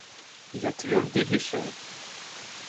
Я твердо решил.